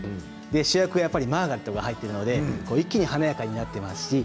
主役はマーガレットが入っているので一気に華やかな印象になります。